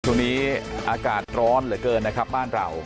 ช่วงนี้อากาศร้อนเหลือเกินนะครับบ้านเรา